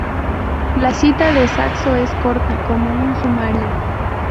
La cita de Saxo es corta, como un sumario.